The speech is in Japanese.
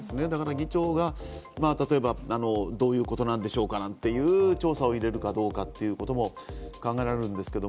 議長が例えば、どういうことなんでしょうか？なんていう調査を入れるかどうかということも考えられるんですけど。